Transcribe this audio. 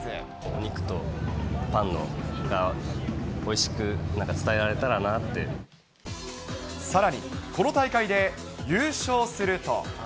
肉とパンのおいしく、伝えらさらにこの大会で優勝すると。